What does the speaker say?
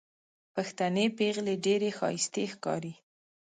پښتنې پېغلې ډېرې ښايستې ښکاري